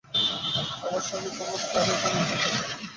আমার স্বাভাবিক অবস্থায় আমি তো নিজের দুঃখ-যন্ত্রণাকে সানন্দেই বরণ করি।